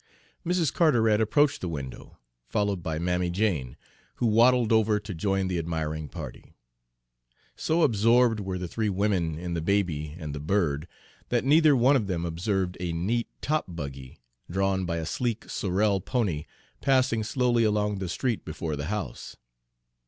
Mrs. Carteret approached the window, followed by Mammy Jane, who waddled over to join the admiring party. So absorbed were the three women in the baby and the bird that neither one of them observed a neat top buggy, drawn by a sleek sorrel pony, passing slowly along the street before the house.